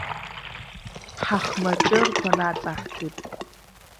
Ҳахмаҷырқәа наҵаҳкит.